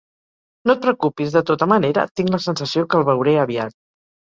No et preocupis. De tota manera, tinc la sensació que el veuré aviat.